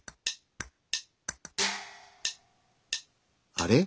あれ？